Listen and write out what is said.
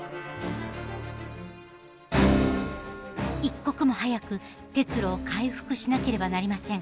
一刻も早く鉄路を回復しなければなりません。